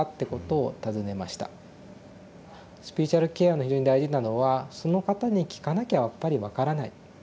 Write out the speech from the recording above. スピリチュアルケアで非常に大事なのはその方に聞かなきゃやっぱり分からない。